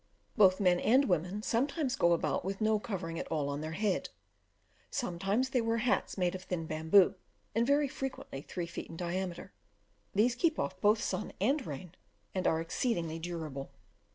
Both men and women sometimes go about with no covering at all on their head; sometimes they wear hats made of thin bamboo, and very frequently three feet in diameter; these keep off both sun and rain, and are exceedingly durable.